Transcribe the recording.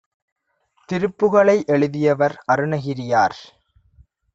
திருப்புகழை எழுதியவர் அருணகிரியார்